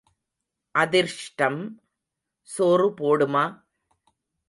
அதிர்ஷ்டம் சோறு போடுமா?